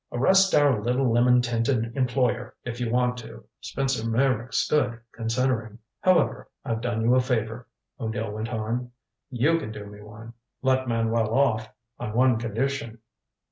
Arrest our little lemon tinted employer, if you want to." Spencer Meyrick stood, considering. "However I've done you a favor." O'Neill went on. "You can do me one. Let Manuel off on one condition."